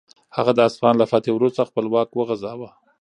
هغه د اصفهان له فتحې وروسته خپل واک وغځاوه.